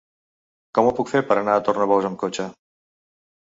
Com ho puc fer per anar a Tornabous amb cotxe?